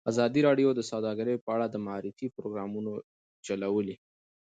ازادي راډیو د سوداګري په اړه د معارفې پروګرامونه چلولي.